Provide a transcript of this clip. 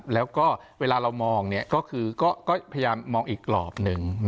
แล้วก็เวลาเรามองก็คือก็พยายามมองอีกกรอบหนึ่ง